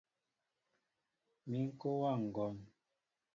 Mi kɔyá ŋgɔn.